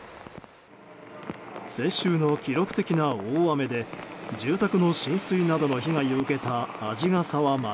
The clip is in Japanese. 先週の記録的な大雨で住宅の浸水などの被害を受けた鰺ヶ沢町。